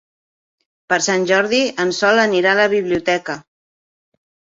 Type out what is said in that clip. Per Sant Jordi en Sol anirà a la biblioteca.